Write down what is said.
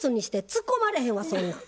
つっこまれへんわそんなん。